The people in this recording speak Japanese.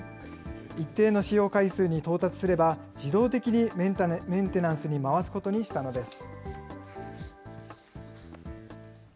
一定の使用回数に到達すれば、自動的にメンテナンスに回すことにしたのです。